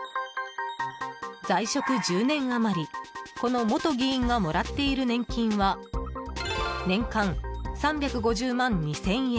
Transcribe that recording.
在職１０年余りこの元議員がもらっている年金は年間３５０万２０００円。